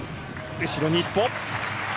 後ろに一歩。